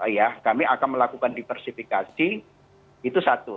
ya kami akan melakukan diversifikasi itu satu